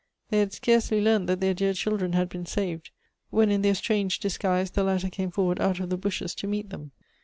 They had scarcely learnt that their dear children had been saved, when in their strange disguise the latter came forward out of the bushes to meet them.